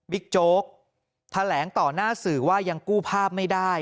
โจ๊กแถลงต่อหน้าสื่อว่ายังกู้ภาพไม่ได้